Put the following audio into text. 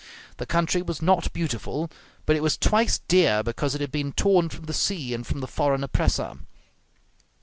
The country was not beautiful, but it was twice dear because it had been torn from the sea and from the foreign oppressor.